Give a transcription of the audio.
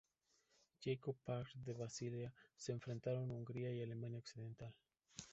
Jakob Park de Basilea, se enfrentaron Hungría y Alemania Occidental.